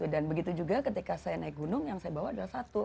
dan begitu juga ketika saya naik gunung yang saya bawa adalah satu